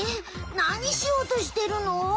なにしようとしてるの？